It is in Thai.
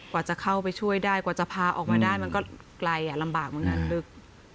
กว่าจะเข้าไปช่วยได้กว่าจะพาออกมาได้มันก็ไกลลำบากเหมือนกันลึก